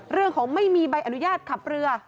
เรื่องของไม่มีใบอนุญาตขับเรือ